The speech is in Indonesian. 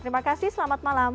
terima kasih selamat malam